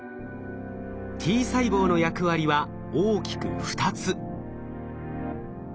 Ｔ細胞の役割は大きく２つ。